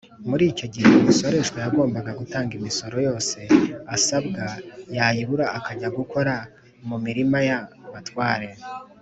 Muri icyo gihe umusoreshwa yagomba gutanga imisoro yose asabwa yayibura akajya gukora mu mirima ya abatware